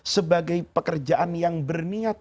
sebagai pekerjaan yang berniat